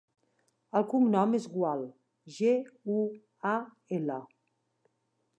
El cognom és Gual: ge, u, a, ela.